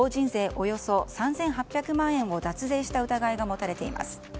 およそ３８００万円を脱税した疑いが持たれています。